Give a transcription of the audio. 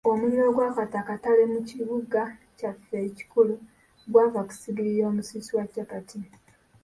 Omuliro ogwakwata akatale mu kibuga kyaffe ekikukulu gwava ku ssigiri y'omusiisi wa capati.